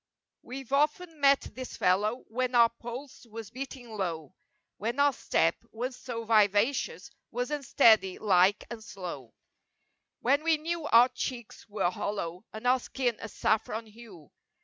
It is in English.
35 WeVe often met this fellow when our pulse was beating low; When our step, once so vivacious, was unsteady like and slow; When we knew our cheeks were hollow and our skin a saffron hue.